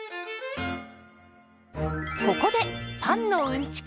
ここでパンのうんちく